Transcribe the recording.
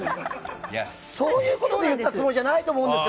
そういうことを言ったつもりじゃないと思うんですよ